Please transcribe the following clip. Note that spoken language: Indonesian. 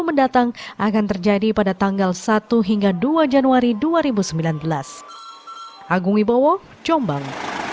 yang mendatang akan terjadi pada tanggal satu hingga dua januari dua ribu sembilan belas